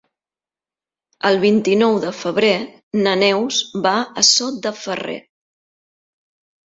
El vint-i-nou de febrer na Neus va a Sot de Ferrer.